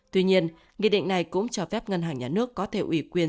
tuy nhiên nghị định này cũng cho phép ngân hàng nhà nước có thể ủy quyền